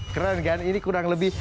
keren kan ini kurang lebih